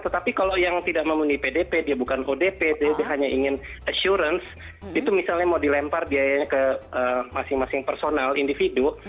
tetapi kalau yang tidak memenuhi pdp dia bukan odp dia hanya ingin assurance itu misalnya mau dilempar biayanya ke masing masing personal individu